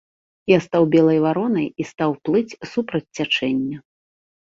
Я стаў белай варонай і стаў плыць супраць цячэння.